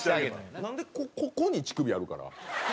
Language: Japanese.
なんでここに乳首あるかな？